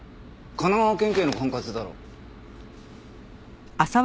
神奈川県警の管轄だろ？